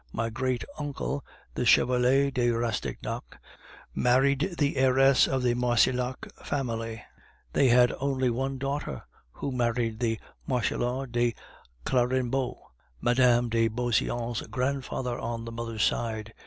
"My great uncle, the Chevalier de Rastignac, married the heiress of the Marcillac family. They had only one daughter, who married the Marechal de Clarimbault, Mme. de Beauseant's grandfather on the mother's side.